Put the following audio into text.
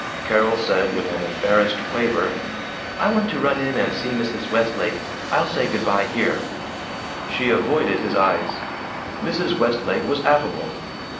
Carol said with an embarrassed quaver: "I want to run in and see Mrs. Westlake. I'll say good by here." She avoided his eyes. Mrs. Westlake was affable.